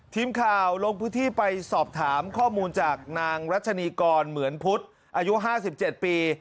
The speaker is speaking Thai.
ทีมข่าวลงพื้นที่ไปสอบถามข้อมูลจากนางรัชนีกรเหมือนพุทธอายุ๕๗ปี